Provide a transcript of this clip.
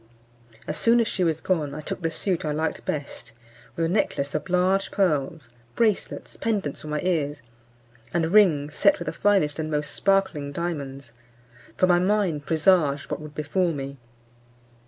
As soon as she was gone, I took the suit I liked best, with a necklace of large pearls, bracelets, pendents for my ears, and rings set with the finest and most sparkling diamonds; for my mind presaged what would befall me.